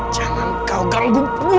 jangan kau ganggu bunga